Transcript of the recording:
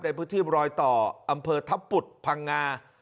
ในพื้นที่รอยต่ออำเภอทัพปุดพังงา